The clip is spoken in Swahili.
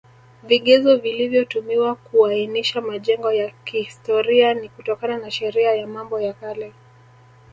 Vigezo vilivyotumiwa kuainisha majengo ya kihstoria ni kutokana na Sheria ya mambo ya Kale